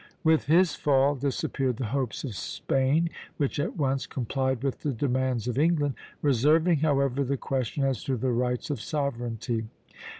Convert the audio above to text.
With his fall disappeared the hopes of Spain, which at once complied with the demands of England, reserving, however, the question as to the rights of sovereignty.